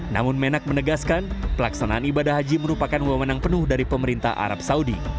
namun menak menegaskan pelaksanaan ibadah haji merupakan wewenang penuh dari pemerintah arab saudi